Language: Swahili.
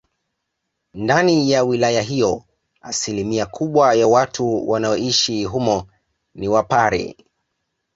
Ndani ya wilaya hiyo asilimia kubwa ya watu wanaoishi humo ni wapare